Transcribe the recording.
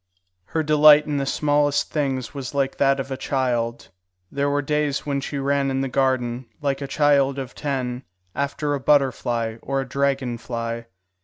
Her delight in the smallest things was like that of a child. There were days when she ran in the garden, like a child of ten, after a butterfly or a dragon fly.